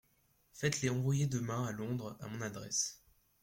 Faites-les envoyer demain à Londres, à mon adresse.